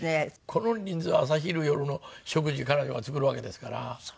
この人数朝昼夜の食事彼女が作るわけですから。